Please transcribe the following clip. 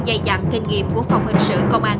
dày dặn kinh nghiệm của phòng hình sự công an